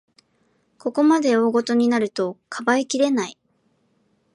ここまで大ごとになると、かばいきれない